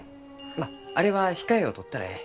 まああれは控えをとったらえい。